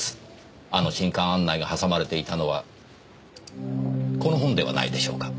あの新刊案内がはさまれていたのはこの本ではないでしょうか？